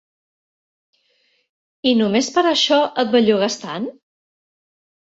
- I no més per això et bellugues tant?